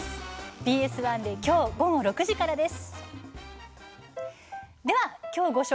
ＢＳ１できょう午後６時からです。